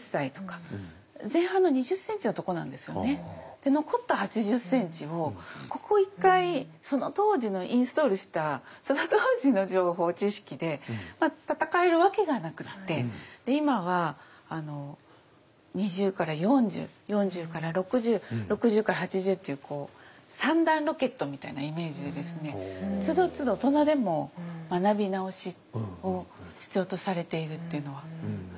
で残った８０ｃｍをここ１回その当時のインストールしたその当時の情報知識で戦えるわけがなくって今は２０から４０４０から６０６０から８０っていう３段ロケットみたいなイメージでですねつどつど大人でも学び直しを必要とされているっていうのはいわれてますね。